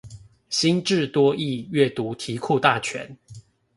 新制多益閱讀題庫大全